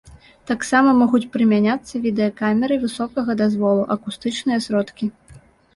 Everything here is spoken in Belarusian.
Таксама могуць прымяняцца відэакамеры высокага дазволу, акустычныя сродкі.